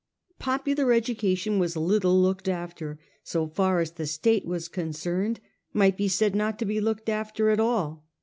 Popular education was little looked after ; so far as the State was concerned, might be said not to be looked after at all.